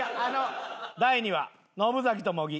第２話野ブ崎と茂木。